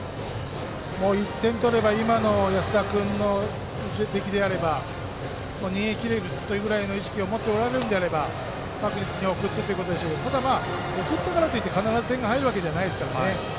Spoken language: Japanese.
１点取れば今の安田君であれば逃げ切れるぐらいの意識があるのであれば確実に送ってということでしょうが送ったからといって確実に点が入るわけではないですからね。